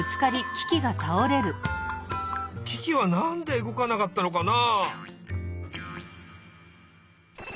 キキはなんでうごかなかったのかな？